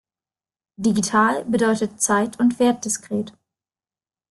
Digital bedeutet zeit- und wertdiskret.